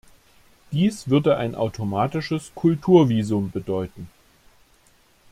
Dies würde ein automatisches Kulturvisum bedeuten.